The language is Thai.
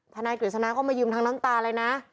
นายกฤษณาก็มายืมทั้งน้ำตาเลยนะ